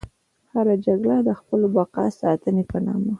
هره جګړه د خپلو بقا ساتنې په نامه.